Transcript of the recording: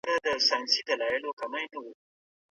که ښوونکی انلاین لارښوونه وکړي، غلط فهم نه پاته کېږي.